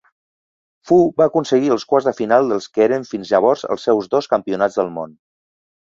Fu va aconseguir els quarts de final dels que eren fins llavors els seus dos campionats del món.